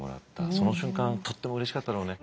その瞬間とってもうれしかったろうね。